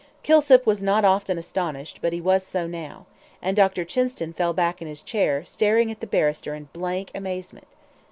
Kilsip was not often astonished; but he was so now. And Dr. Chinston fell back in his chair, staring at the barrister in blank amazement.